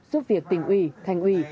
giúp việc tỉnh ủy thành ủy